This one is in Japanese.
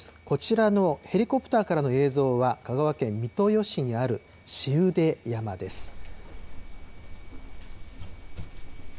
こちらのヘリコプターからの映像は、香川県三豊市にある紫雲出山です。